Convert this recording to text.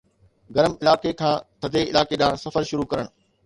گرم علائقي کان ٿڌي علائقي ڏانهن سفر شروع ڪرڻ